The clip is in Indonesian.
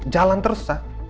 jalan terus sa